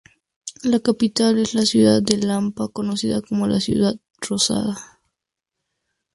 La capital es la ciudad de Lampa, conocida como la Ciudad Rosada.